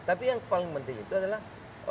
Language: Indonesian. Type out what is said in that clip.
tapi yang paling penting itu adalah